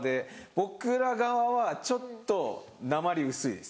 僕ら側はちょっとなまり薄いです。